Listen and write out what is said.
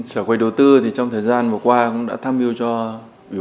sở quy đầu tư trong thời gian vừa qua cũng đã tham yêu cho ủy ban